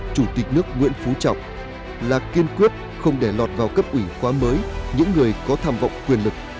chủ tịch nước nguyễn phú trọng là kiên quyết không để lọt vào cấp ủy khóa mới những người có tham vọng quyền lực